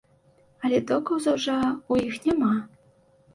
Але доказаў жа ў іх няма.